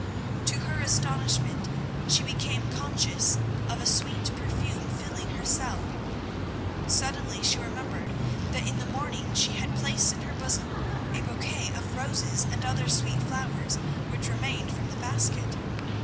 To her astonishment, she became conscious of a sweet perfume filling her cell. Suddenly she remembered that in the morning she had placed in her bosom a bouquet of roses and other sweet flowers which remained from the basket.